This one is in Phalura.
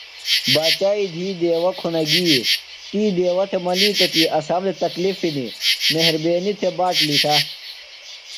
باچائی دہی دیوہ کُھنہ گی۔ تی دیوہ تھےۡ منِیتوۡ کی اسام تھےۡ تکلِف ہِنیۡ، مہربینی تھےۡ باٹ لِتھہ۔